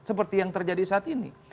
seperti yang terjadi saat ini